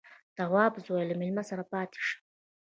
_توابه زويه، له مېلمه سره پاتې شه.